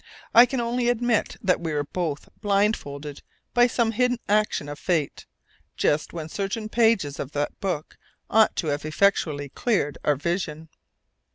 I can only admit that we were both blindfolded by some hidden action of Fate, just when certain pages of that book ought to have effectually cleared our vision.